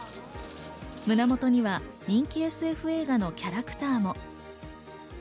胸元には人気ＳＦ映画のキャラクターも。